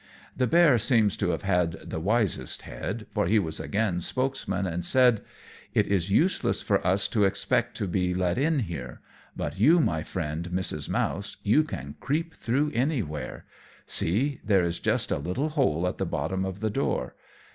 The bear seems to have had the wisest head, for he was again spokesman, and said, "It is useless for us to expect to be let in here; but you, my friend Mrs. Mouse, you can creep through anywhere see, there is just a little hole at the bottom of the door.